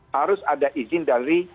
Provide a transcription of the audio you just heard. harus ada izin dari